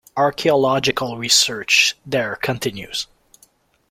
Archaeological research there continues.